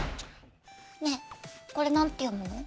ねぇこれ何て読むの？